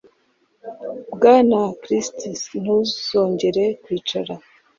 Bwana Curtis ntuzongera kwicara